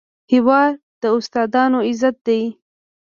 هېواد د استادانو عزت دی.